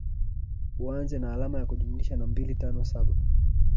uanze na alama ya kujumlisha mbili tano tano saba